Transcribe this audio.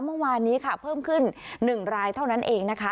เมื่อวานนี้ค่ะเพิ่มขึ้น๑รายเท่านั้นเองนะคะ